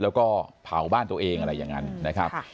แล้วก็เผาบ้านตัวเองอะไรอย่างนั้นนะครับ